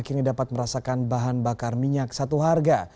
kini dapat merasakan bahan bakar minyak satu harga